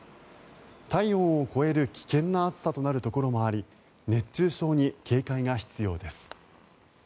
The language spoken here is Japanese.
体温を超える危険な暑さとなるところもあり熱中症に警戒が必要です。